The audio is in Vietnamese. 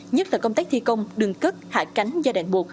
nhất là công tác thi công đường cất hạ cánh da đạn buộc